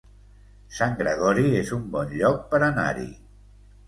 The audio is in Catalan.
Sant Gregori es un bon lloc per anar-hi